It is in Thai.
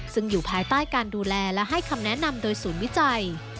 ซึ่งอยู่ภายใต้การดูแลและให้คำแนะนำโดยศูนย์วิจัย